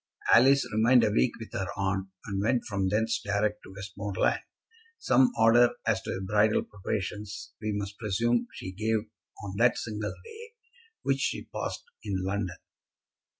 Alice remained a week with her aunt, and went from thence direct to Westmoreland. Some order as to bridal preparations we must presume she gave on that single day which she passed in London.